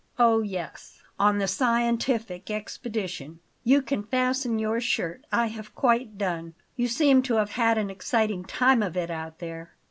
"Ah, yes; on the scientific expedition. You can fasten your shirt; I have quite done. You seem to have had an exciting time of it out there."